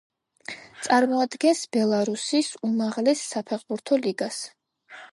წარმოადგენს ბელარუსის უმაღლეს საფეხბურთო ლიგას.